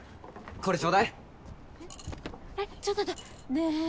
ねえ！